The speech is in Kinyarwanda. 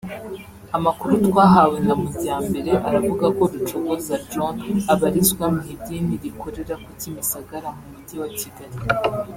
Amakuru twahawe na Mujyambere aravuga ko Rucogoza John abarizwa mu idini rikorera ku Kimisagara mu Mujyi wa Kigali